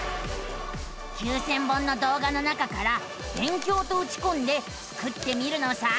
９，０００本の動画の中から「勉強」とうちこんでスクってみるのさあ。